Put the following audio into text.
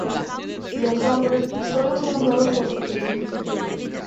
Los hombres, sólo son nombrados por su apellido.